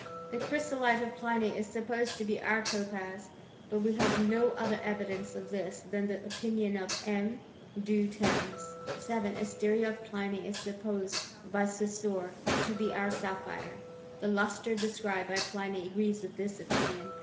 The chrysolite of Pliny is supposed to be our topaz : but we have no other evidence of tliis than the opinion of M. Du Terns. 7. Asteria of Pliny is supposed by Saussure to be our sapphire. The lustre described by Pliny agrees with this opinion.